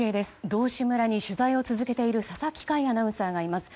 道志村で取材を続けている佐々木快アナウンサーがいます。